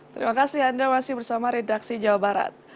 terima kasih anda masih bersama redaksi jawa barat